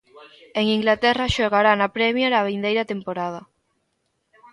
En Inglaterra xogará na Prémier a vindeira temporada.